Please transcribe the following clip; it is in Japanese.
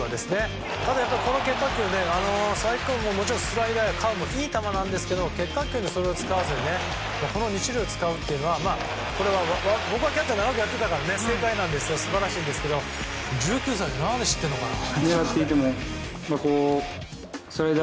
ただ、この結果球佐々木君、スライダー、カーブもいい球なんですけど結果球はそれを使わずにこの２種類を使うのは僕はキャッチャーを長くやってたから分かるんですけど素晴らしいんですけど１９歳で何で知ってるのかな。